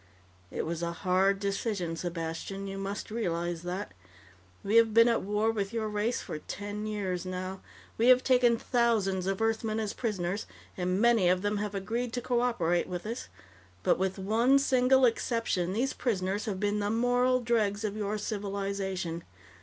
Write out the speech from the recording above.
"It was a hard decision, Sepastian you must realize that. We have been at war with your race for ten years now. We have taken thousands of Earthmen as prisoners, and many of them have agreed to co operate with us. But, with one single exception, these prisoners have been the moral dregs of your civilization.